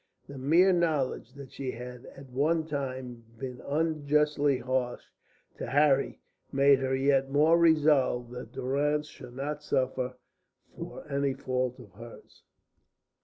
The mere knowledge that she had at one time been unjustly harsh to Harry, made her yet more resolved that Durrance should not suffer for any fault of hers.